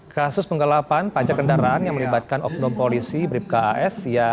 kasus penggelapan pajak kendaraan yang melibatkan oknum polisi bribka as